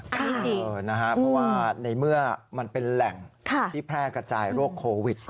เพราะว่าในเมื่อมันเป็นแหล่งที่แพร่กระจายโรคโควิด